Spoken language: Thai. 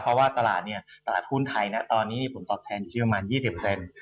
เพราะว่าตลาดทุนไทยนะตอนนี้มีผลตอบแทนอยู่ที่ประมาณ๒๐